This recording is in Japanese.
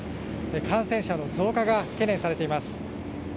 感染者の増加が懸念されています。